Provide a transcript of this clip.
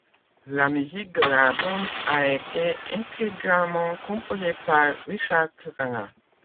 La musique de l'album a été intégralement composée par Vishal Khurana.